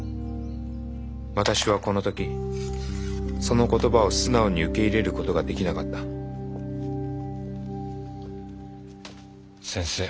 私はこの時その言葉を素直に受け入れる事ができなかった先生。